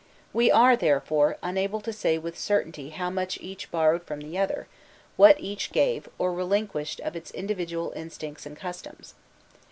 We are, therefore, unable to say with certainty how much each borrowed from the other, what each gave, or relinquished of its individual instincts and customs.